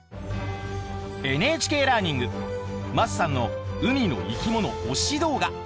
ＮＨＫラーニング桝さんの海の生き物推し動画。